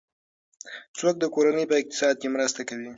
څوک د کورنۍ په اقتصاد کې مرسته کوي؟